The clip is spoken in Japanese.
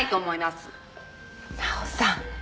奈緒さん。